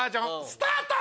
スタート！